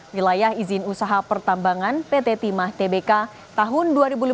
wilayah izin usaha pertambangan pt timah tbk tahun dua ribu lima belas